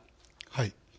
はい。